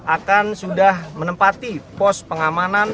akan sudah menempati pos pengamanan